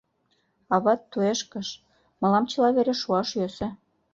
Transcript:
Ават туешкыш, мылам чыла вере шуаш йӧсӧ.